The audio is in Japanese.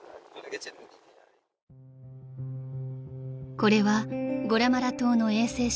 ［これはゴラマラ島の衛星写真］